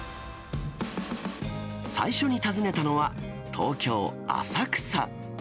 最初に訪ねたのは東京・浅草。